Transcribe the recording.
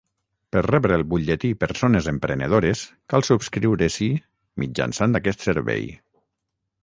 Per rebre el butlletí Persones Emprenedores, cal subscriure-s'hi mitjançant aquest Servei.